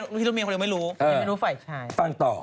หลุดเมียคนเดียวแล้วพี่มีลรู้แล้วใครอ่ะฟังต่อ